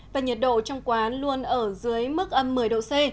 và nhiệt độ trong quán luôn ở dưới mức âm một mươi độ c